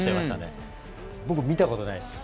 僕、見たことないです。